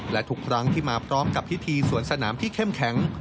และทุกครั้งที่มาพร้อมกับพิธีสวนสนามที่เข้มแข็ง